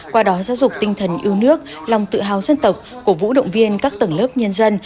qua đó giáo dục tinh thần yêu nước lòng tự hào dân tộc cổ vũ động viên các tầng lớp nhân dân